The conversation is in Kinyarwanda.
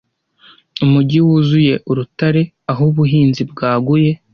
Umujyi wuzuye urutare aho ubuhinzi bwaguye,